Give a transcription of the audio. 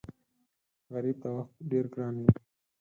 غریب ته وخت ډېر ګران وي